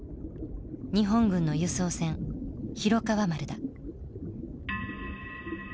日本軍の輸送船宏川丸だ。